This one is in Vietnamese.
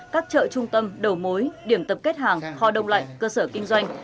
các chợ trung tâm đầu mối điểm tập kết hàng kho đông lạnh cơ sở kinh doanh